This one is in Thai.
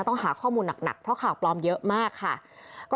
ต้องหาข้อมูลหนักเพราะข่าวปลอมเยอะมากค่ะ